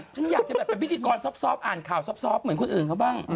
ฉันอยากจะแบบเป็นพิธีกรซอฟอ่านข่าวซอบเหมือนคนอื่นเขาบ้าง